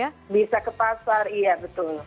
iya bisa ke pasar iya betul